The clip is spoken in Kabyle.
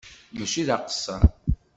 Mačči d aqeṣṣeṛ.